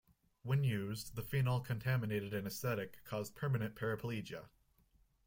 When used, the phenol-contaminated anaesthetic caused permanent paraplegia.